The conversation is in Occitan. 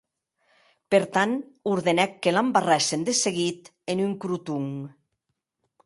Per tant, ordenèc que l’embarrèssen de seguit en un croton.